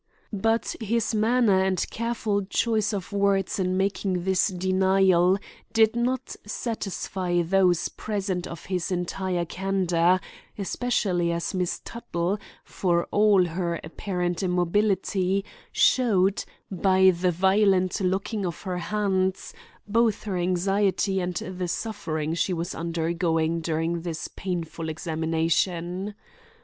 But his manner and careful choice of words in making this denial did not satisfy those present of his entire candor; especially as Miss Tuttle, for all her apparent immobility, showed, by the violent locking of her hands, both her anxiety and the suffering she was undergoing during this painful examination.